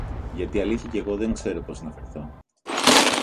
γιατί αλήθεια κι εγώ δεν ξέρω πώς να φερθώ!